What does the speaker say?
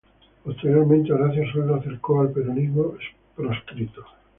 Posteriormente Horacio Sueldo acercó al peronismo proscripto.